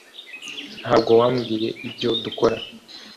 Ntabwo wambwiye ibyo dukora